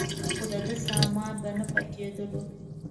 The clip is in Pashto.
خو دده سامان به نه پاکېدلو.